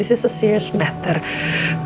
ini masalah serius